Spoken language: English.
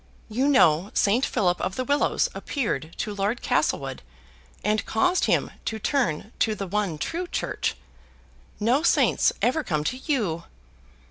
You know Saint Philip of the Willows appeared to Lord Castlewood, and caused him to turn to the one true church. No saints ever come to you."